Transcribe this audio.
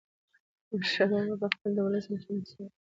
احمدشاه بابا به د خپل ولس مشران هڅول.